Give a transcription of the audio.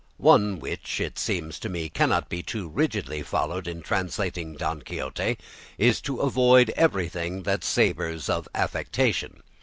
One which, it seems to me, cannot be too rigidly followed in translating "Don Quixote," is to avoid everything that savours of affectation.